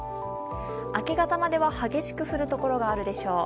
明け方までは激しく降る所があるでしょう。